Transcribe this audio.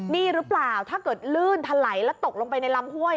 นี่หรือเปล่าถ้าเกิดลื่นถลัยแล้วตกลงไปในลำห้วย